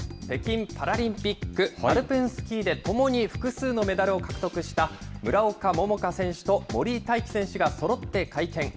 北京パラリンピック、アルペンスキーでともに複数のメダルを獲得した村岡桃佳選手と森井大輝選手がそろって会見。